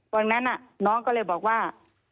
พร้อมนั้นน้องก็เลยบอกว่า